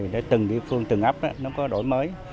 để từng địa phương từng ấp nó có đổi mới